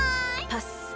パス。